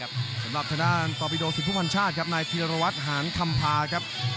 โปรดติดตามตอนต่อไป